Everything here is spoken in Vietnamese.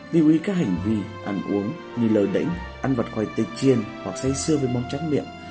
lưu ý các hành vi ăn uống như lờ đẩy ăn vật khoai tây chiên hoặc xay xưa với món tráng miệng